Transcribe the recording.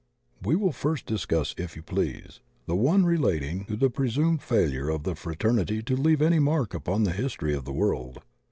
"We will first discuss, if you please, the one relating to the presumed failure of the Tratemity' to leave any mark upon the history of the world.